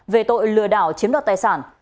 về tội lừa đảo chiếm đoạt tài sản